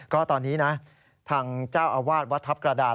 ก็ตอนนี้นะทางเจ้าอาวาสวัดทัพกระดาน